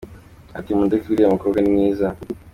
Ati :« Mundeke uriya mukobwa ni mwiza.